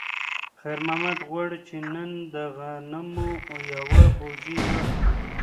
خیر محمد غواړي چې نن د غنمو یوه بوجۍ واخلي.